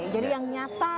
jadi yang nyata